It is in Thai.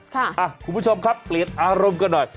คุณผู้ชมครับเปลี่ยนอารมณ์กันหน่อย